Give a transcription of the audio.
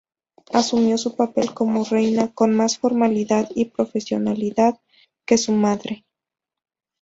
Asumió su papel como reina con más formalidad y profesionalidad que su madre.